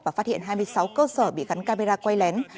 và phát hiện hai mươi sáu cơ sở bị gắn camera quay lén